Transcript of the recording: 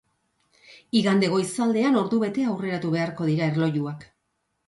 Igande goizaldean ordubete aurreratu beharko dira erlojuak.